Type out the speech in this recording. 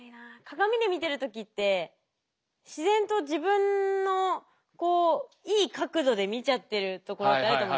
鏡で見てる時って自然と自分のいい角度で見ちゃってるところってあると。